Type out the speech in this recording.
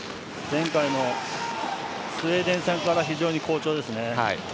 前回のスウェーデン戦から非常に好調ですね。